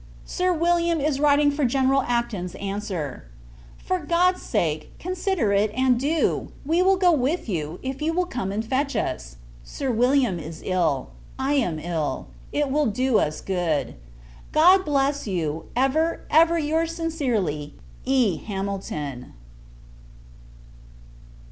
Sir William is writing for General Acton's answer. For God's sake, consider it, and do! We will go with you, if you will come and fetch us. Sir William is ill; I am ill: it will do us good. God bless you! Ever, ever, your's sincerely, E. HAMILTON.